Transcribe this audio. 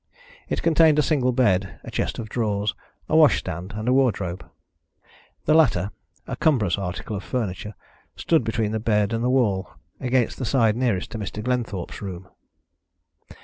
It contained a single bed, a chest of drawers, a washstand, and a wardrobe. The latter, a cumbrous article of furniture, stood between the bed and the wall, against the side nearest to Mr. Glenthorpe's room.